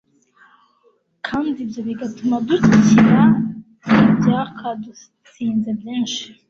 kandi ibyo bigatuma dukira ibyakadutsinze byinshi.